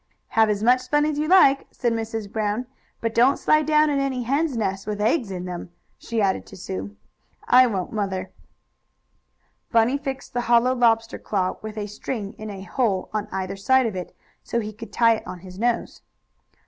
"Have as much fun as you like," said Mrs. Brown, "but don't slide down in any hens' nests with eggs in them," she added to Sue. "I won't, Mother." Bunny fixed the hollow lobster claw, with a string in a hole on either side of it, so he could tie it on his nose.